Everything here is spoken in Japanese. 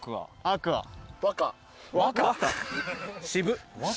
渋っ。